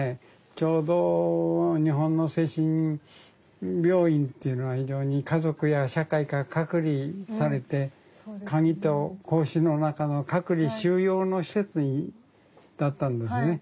ちょうど日本の精神病院っていうのは非常に家族や社会から隔離されてカギと格子の中の隔離収容の施設だったんですね。